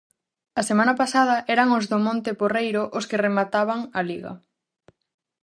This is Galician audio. A semana pasada eran os do Monte Porreiro os que remataban a liga.